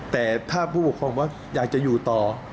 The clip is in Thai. แต่ถ้าผู้ปกครองว่าอยากจะอยู่ต่อ